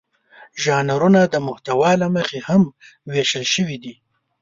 ژانرونه د محتوا له مخې هم وېشل شوي دي.